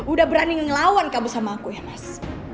udah berani ngelawan kamu sama aku ya mas